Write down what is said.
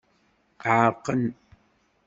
Ɛerqen.